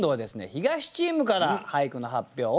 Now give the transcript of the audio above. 東チームから俳句の発表をお願いいたします。